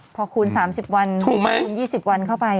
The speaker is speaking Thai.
พอคูณ๓๐วันคูณ๒๐วันเข้าไปอย่างน้อยน้อยนะครับถูกมั้ย